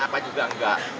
apa juga nggak